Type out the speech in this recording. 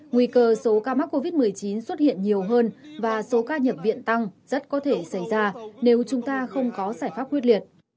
nguy cơ số ca mắc covid một mươi chín xuất hiện nhiều hơn và số ca nhập viện tăng rất có thể xảy ra nếu chúng ta không có giải pháp quyết liệt